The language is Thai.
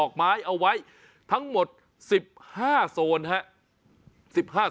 แก้ปัญหาผมร่วงล้านบาท